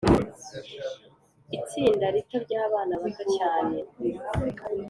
itsinda rito ryabana bato cyane,